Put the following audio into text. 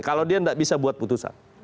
kalau dia tidak bisa buat putusan